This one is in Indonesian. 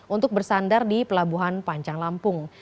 untuk bersandar di pelabuhan panjang lampung